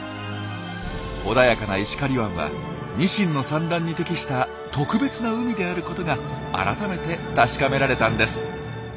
穏やかな石狩湾はニシンの産卵に適した特別な海であることが改めて確かめられたんです。